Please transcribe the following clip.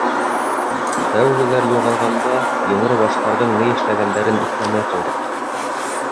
Тәүгеләр юғалғанда, Йомро баштарҙың ни эшләгәндәрен иҫләмәй ҡалдыҡ.